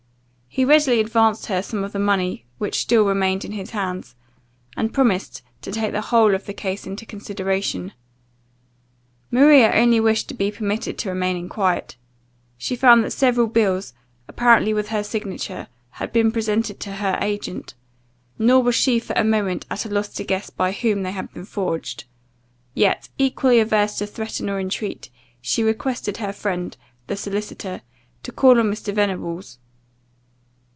He readily advanced her some of the money which still remained in his hands, and promised to take the whole of the case into consideration. Maria only wished to be permitted to remain in quiet She found that several bills, apparently with her signature, had been presented to her agent, nor was she for a moment at a loss to guess by whom they had been forged; yet, equally averse to threaten or intreat, she requested her friend [the solicitor] to call on Mr. Venables.